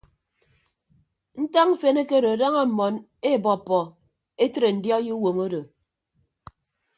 Ntak mfen ekedo daña mmọn ebọppọ etre ndiọi uwom odo.